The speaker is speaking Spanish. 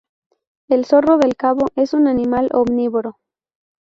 El zorro del Cabo es un animal omnívoro.